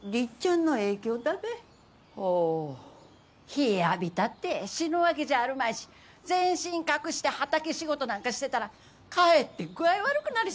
日浴びたって死ぬわけじゃあるまいし全身隠して畑仕事なんかしてたらかえって具合悪くなりそうだべ。